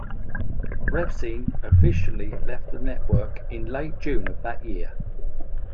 Revsine officially left the network in late June of that year.